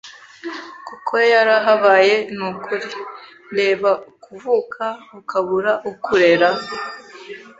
kuko yarahabaye ni ukuri. Reba kuvuka, ukabura ukurera